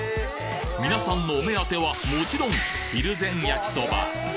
皆さんのお目当てはもちろんひるぜん焼そば！